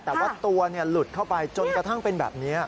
แต่ว่าตัวหลุดเข้าไปจนกระทั่งเป็นแบบนี้